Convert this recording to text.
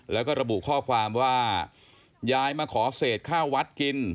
แล้วก็ระบุข้อความว่ายายมาขอเศษข้าววัดกิน